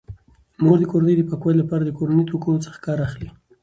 مور د کورنۍ د پاکوالي لپاره د کورني توکو څخه کار اخلي.